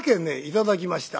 「頂きました」。